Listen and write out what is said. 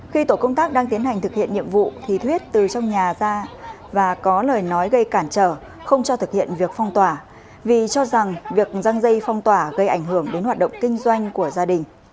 khi tổ công tác đang tiến hành thực hiện nhiệm vụ thì thuyết từ trong nhà ra và có lời nói gây cản trở không cho thực hiện việc phong tỏa vì cho rằng việc răng dây phong tỏa gây ảnh hưởng đến hoạt động kinh doanh của gia đình